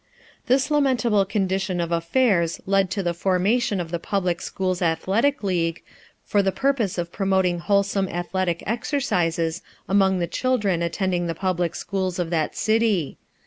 This lamentable condition of affairs led to the formation of the Public Schools Athletic League for the purpose of promoting wholesome athletic exercises among the children attending the public schools of that city.